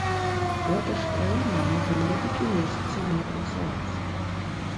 Гэта ж краіна можа некалькі месяцаў не працаваць!